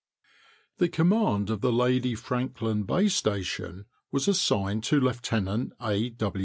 The command of the Lady Franklin Bay Station was assigned to Lieutenant A.